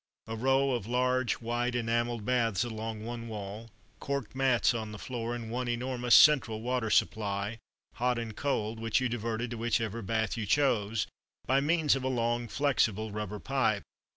A row of large white enamelled baths along one wall, cork mats on the floor, and one enormous central water supply, hot and cold, which you diverted to whichever bath you chose by means of a long flexible rubber pipe.